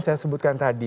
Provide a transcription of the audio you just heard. yang saya sebutkan tadi